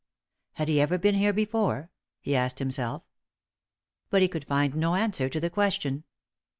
"Had he ever been here before?" he asked himself. But he could find no answer to the question.